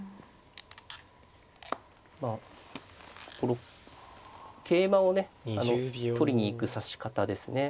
まあこの桂馬をね取りに行く指し方ですね。